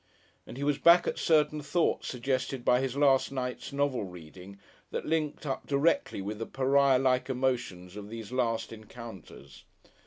And he was back at certain thoughts suggested by his last night's novel reading, that linked up directly with the pariah like emotions of these last encounters.